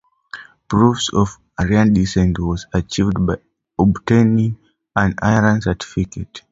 Proof of Aryan descent was achieved by obtaining an Aryan certificate.